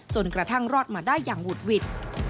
จนกระทั่งรอดมาได้อย่างหุดหวิด